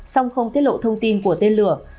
song không tiết lộ thông tin của tên lửa